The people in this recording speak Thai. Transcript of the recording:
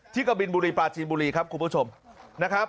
กะบินบุรีปลาจีนบุรีครับคุณผู้ชมนะครับ